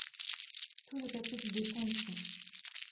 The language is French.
Tous les papiers du défunt y sont.